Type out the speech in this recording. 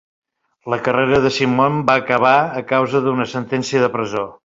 La carrera de Simon va acabar a causa d'una sentència de presó.